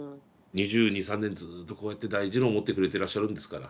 ２２２３年ずっとこうやって大事に思ってくれてらっしゃるんですから。